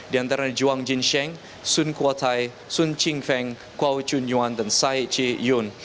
di antara juang jin sheng sun kuo tai sun ching feng kuo chun yuan dan sai chi yun